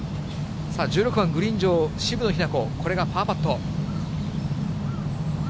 １６番、グリーン上、渋野日向子、これがパーパット。